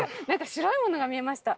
白いものが見えました？